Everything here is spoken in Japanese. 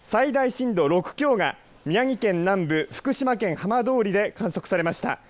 最大震度６強が宮城県南部福島県浜通りで観測されました。